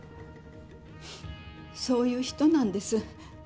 そういう人なんです。